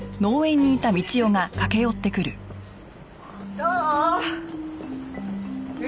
どう？